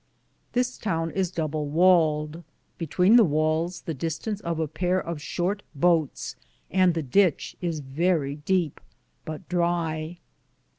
This towne is Doble waled, betwixte the wales the distance of a pare of shorte butts (boats), and the ditche is verrie Depe, but drie.